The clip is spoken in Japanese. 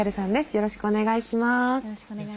よろしくお願いします。